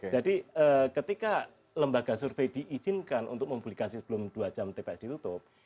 jadi ketika lembaga survei diizinkan untuk mempublikasi sebelum dua jam tps ditutup